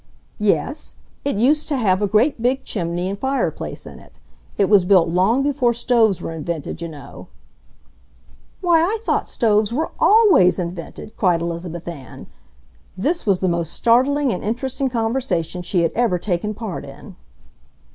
"Yes, it used to have a great big chimney and fireplace in it. It was built long before stoves were invented, you know." "Why, I thought stoves were ALWAYS invented!" cried Elizabeth Ann. This was the most startling and interesting conversation she had ever taken part in.